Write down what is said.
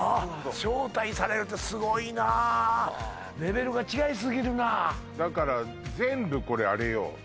招待されるってすごいなレベルが違いすぎるなだから全部これあれよ